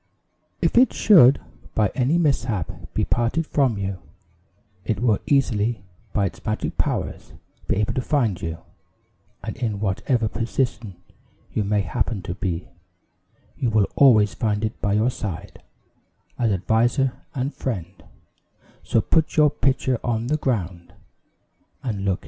"If it should, by any mishap, be parted from you, it will easily, by its magic powers, be able to find you; and in whatever position you may happen to be, you will always find it by your side, as adviser and friend; so put your pitcher on the ground, and look into it."